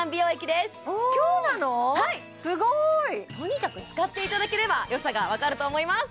すごーいとにかく使っていただければよさが分かると思います